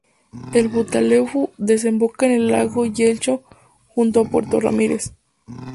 El Futaleufú desemboca en el lago Yelcho, junto a Puerto Ramírez.